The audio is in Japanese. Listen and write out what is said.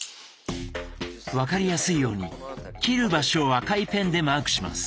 分かりやすいように切る場所を赤いペンでマークします。